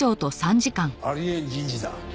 あり得ん人事だ。